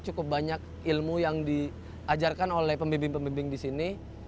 cukup banyak ilmu yang diajarkan oleh pembimbing pembimbing di sini